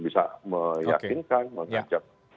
bisa meyakinkan menjadikan